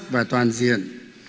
và toàn diện